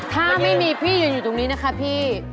ถ้าไม่มีพี่ยืนอยู่ตรงนี้นะคะพี่